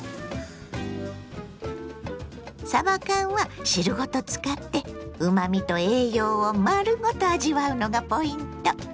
さば缶は汁ごと使ってうまみと栄養を丸ごと味わうのがポイント。